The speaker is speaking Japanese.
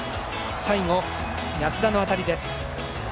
最後、安田の当たりです。